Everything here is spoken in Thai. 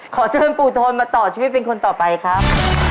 ขอเชิญปู่โทนมาต่อชีวิตเป็นคนต่อไปครับ